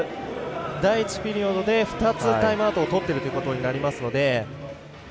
第１ピリオドで２つタイムアウトをとっているということになりますので。